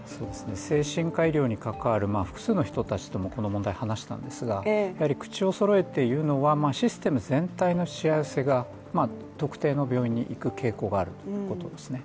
精神科医療に関わる複数の人とこの話をしたんですが口をそろえて言うのは、システム全体のしわ寄せが特定の病院にいく傾向があるということですね